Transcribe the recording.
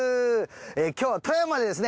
今日は富山でですね